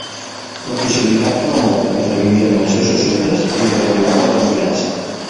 La possibilitat que la mort intervinguera en els seus assumptes li reanimava la confiança.